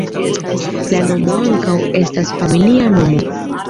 La nomo ankaŭ estas familia nomo.